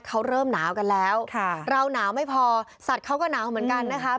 เขาเริ่มหนาวกันแล้วเราหนาวไม่พอสัตว์เขาก็หนาวเหมือนกันนะคะ